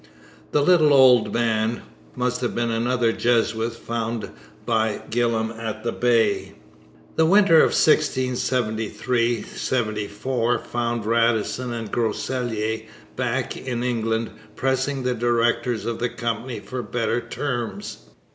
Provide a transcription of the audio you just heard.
The 'little ould man' must have been another Jesuit found by Gillam at the Bay. The winter of 1673 74 found Radisson and Groseilliers back in England pressing the directors of the Company for better terms.